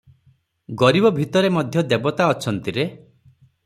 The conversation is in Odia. ଗରିବ ଭିତରେ ମଧ୍ୟ ଦେବତା ଅଛନ୍ତି ରେ!